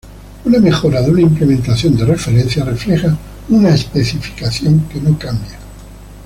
Una mejora de una implementación de referencia refleja una especificación que no cambia.